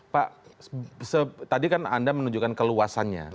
pak tadi kan anda menunjukkan keluasannya